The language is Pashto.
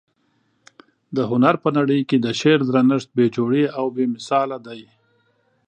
د هنر په نړۍ کي د شعر درنښت بې جوړې او بې مثاله دى.